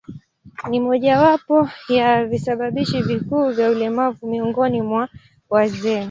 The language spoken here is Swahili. Ni mojawapo ya visababishi vikuu vya ulemavu miongoni mwa wazee.